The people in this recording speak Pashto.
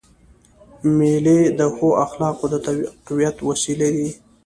مېلې د ښو اخلاقو د تقویت وسیله دي.